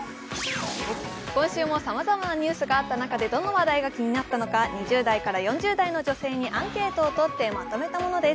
今週もさまざまなニュースがあった中、どの話題が気になったのか２０代から４０代の女性にアンケートをとってまとめたものです。